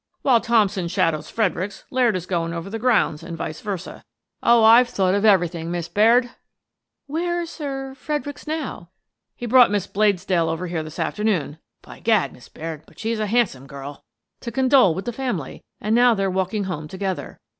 " While Thompson shadows Fredericks, Laird is going over the grounds and vice versa. Oh, I've thought of everything, Miss Baird 1 "" Where's — er — Fredericks now? "" He brought Miss Bladesdell over here this after noon — by gad, Miss Baird, but she's a handsome girl !— to condole with the family, and now they're walking home together."